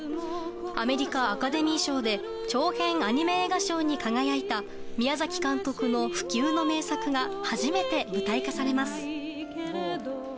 アメリカ・アカデミー賞で長編アニメーション映画賞に輝いた宮崎監督の不朽の名作が初めて舞台化されます。